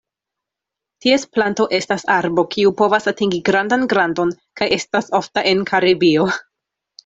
Ties planto estas arbo kiu povas atingi grandan grandon, kaj estas ofta en Karibio.